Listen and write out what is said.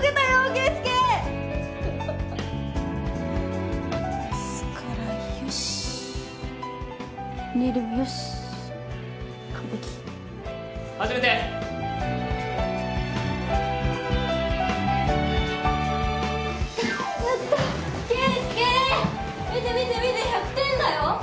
慶介見て見て見て１００点だよ！